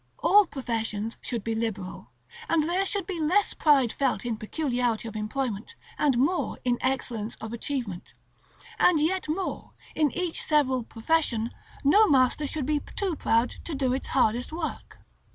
All professions should be liberal, and there should be less pride felt in peculiarity of employment, and more in excellence of achievement. And yet more, in each several profession, no master should be too proud to do its hardest work.